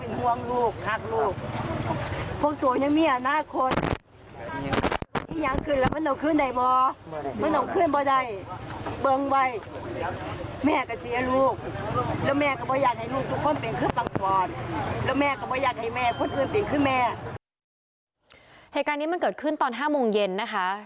เองมึงก็เกิดขึ้นตอนห้าโมงเย็นนะคะ